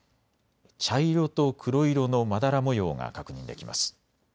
茶色と黒色のまだら模様が確認できます。